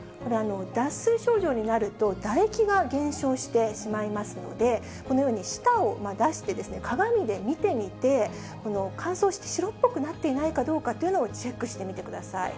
脱水症状になると、唾液が減少してしまいますので、このように舌を出して、鏡で見てみて、乾燥して、白っぽくなっていないかどうかというのをチェックしてみてください。